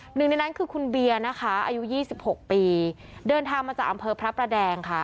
หนึ่งในนั้นคือคุณเบียร์นะคะอายุ๒๖ปีเดินทางมาจากอำเภอพระประแดงค่ะ